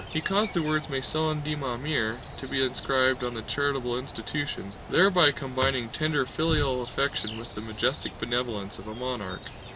He caused the words Maison de ma Mère to be inscribed on the charitable institutions, thereby combining tender filial affection with the majestic benevolence of a monarch.